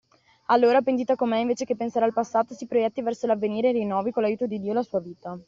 Allora, pentita com'è, invece che pensare al passato, si proietti verso l'avvenire e rinnovi, con l'aiuto di Dio, la sua vita.